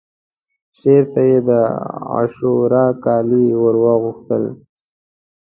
شعر ته یې د عاشورا کالي ورواغوستل